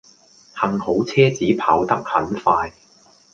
幸好車子跑得很快